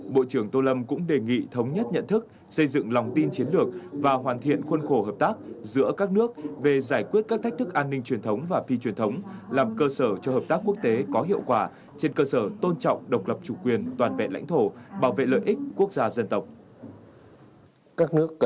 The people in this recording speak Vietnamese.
bộ trưởng tô lâm cũng đề nghị thống nhất nhận thức xây dựng lòng tin chiến lược và hoàn thiện khuôn khổ hợp tác giữa các nước về giải quyết các thách thức an ninh truyền thống và phi truyền thống làm cơ sở cho hợp tác quốc tế có hiệu quả trên cơ sở tôn trọng độc lập chủ quyền toàn vẹn lãnh thổ bảo vệ lợi ích quốc gia dân tộc